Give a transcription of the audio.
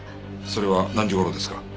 それは何時頃ですか？